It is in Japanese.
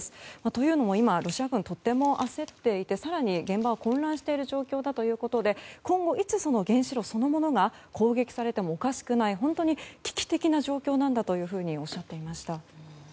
というのも今ロシア軍はとても焦っていて更に、現場が混乱している状態だということで今後いつ原子炉そのものがいつ攻撃されてもおかしくない危機的な状況なんだとおっしゃっていました。